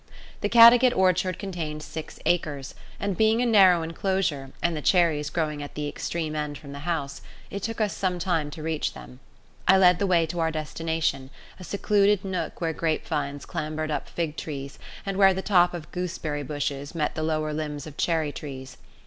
The Caddagat orchard contained six acres, and being a narrow enclosure, and the cherries growing at the extreme end from the house, it took us some time to reach them. I led the way to our destination a secluded nook where grape vines clambered up fig trees, and where the top of gooseberry bushes met the lower limbs of cherry trees.